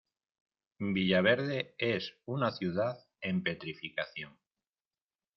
Villaverde es una ciudad en petrificación.